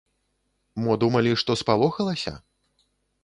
Мо думалі, што спалохалася?